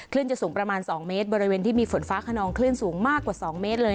จะสูงประมาณ๒เมตรบริเวณที่มีฝนฟ้าขนองคลื่นสูงมากกว่า๒เมตรเลย